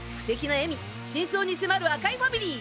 笑み真相に迫る赤井ファミリー！